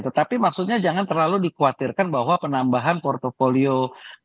tetapi maksudnya jangan terlalu dikhawatirkan bahwa penambahan portfolio kementerian itu